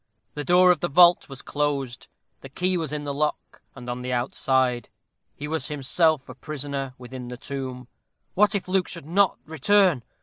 The door of the vault was closed the key was in the lock, and on the outside. He was himself a prisoner within the tomb. What if Luke should not return?